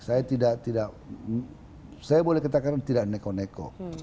saya tidak saya boleh katakan tidak neko neko